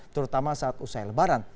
terutama saat usai lebaran